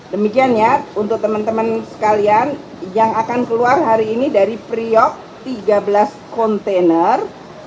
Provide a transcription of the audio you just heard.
demikian ya untuk teman teman sekalian yang akan keluar hari ini dari priok tiga belas kontainer